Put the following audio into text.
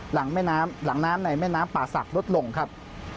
หลังแม่น้ำในแม่น้ำป่าศักดิ์ลดลงครับ